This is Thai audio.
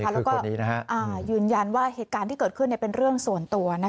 และยืนยันว่าเหตุการณ์ที่เกิดขึ้นเป็นส่วนตัว